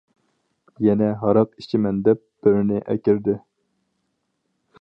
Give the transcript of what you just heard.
يەنە ھاراق ئىچىمەن دەپ بىرنى ئەكىردى.